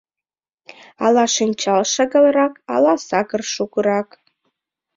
Ала шинчал шагалрак, ала сакыр шукырак.